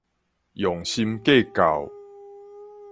用心計較